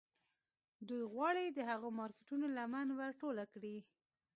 دوی غواړي د هغو مارکيټونو لمن ور ټوله کړي.